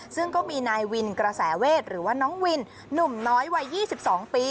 ซึ่งก็มีนายวินกระแสเวทหรือว่าน้องวินหนุ่มน้อยวัย๒๒ปี